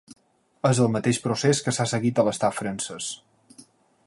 És el mateix procés que s’ha seguit a l’estat francès.